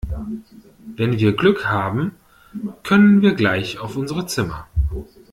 Wenn wir Glück haben können wir gleich auf unsere Zimmer.